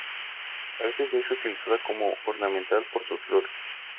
A veces es utilizada como ornamental por sus flores.